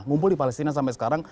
ngumpul di palestina sampai sekarang